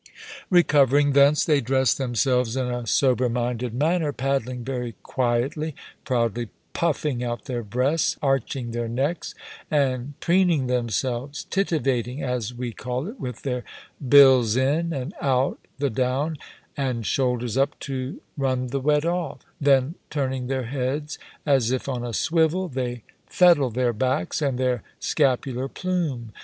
Recovering thence, they dress themselves in a sober minded manner, paddling very quietly, proudly puffing out their breasts, arching their necks, and preening themselves, titivating (as we call it) with their bills in and out the down, and shoulders up to run the wet off; then turning their heads, as if on a swivel, they fettle their backs and their scapular plume.